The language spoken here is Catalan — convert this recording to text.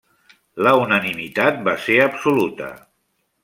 La unanimitat va ser absoluta.